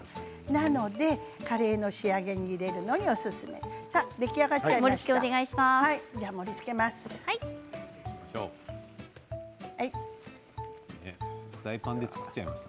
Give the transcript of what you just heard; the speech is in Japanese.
なので、カレーの仕上げに入れるのにおすすめ盛りつけをお願いします。